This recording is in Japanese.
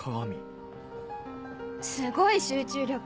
すごい集中力。